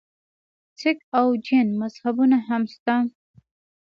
سک او جین مذهبونه هم شته.